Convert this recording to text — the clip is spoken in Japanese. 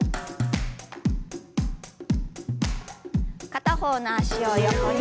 片方の脚を横に。